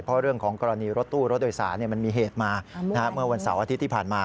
เพราะเรื่องของกรณีรถตู้รถโดยสารมันมีเหตุมาเมื่อวันเสาร์อาทิตย์ที่ผ่านมา